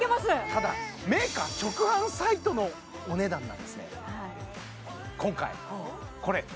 ただメーカー直販サイトのお値段なんですね